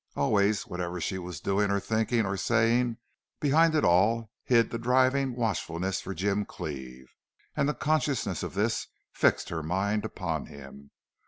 Always, whatever she was doing or thinking or saying, behind it all hid the driving watchfulness for Jim Cleve. And the consciousness of this fixed her mind upon him.